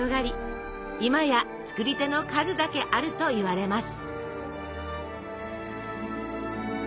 今や作り手の数だけあるといわれます。